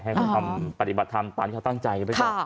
ให้เขาทำปฏิบัติธรรมตามที่เขาตั้งใจ